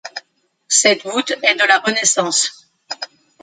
Cette voûte est de la Renaissance.